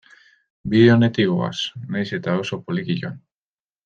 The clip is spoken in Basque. Bide onetik goaz, nahiz eta oso poliki joan.